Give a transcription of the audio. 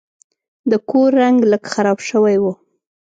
د کور رنګ لږ خراب شوی و.